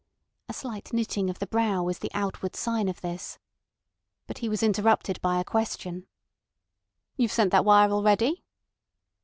A slight knitting of the brow was the outward sign of this. But he was interrupted by a question. "You've sent that wire already?"